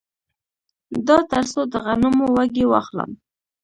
دا تر څو د غنمو وږي واخلم